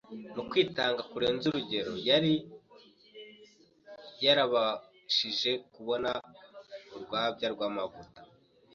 Mu kwitanga kurenze urugero yari yarabashije kubona urwabya rw'amavuta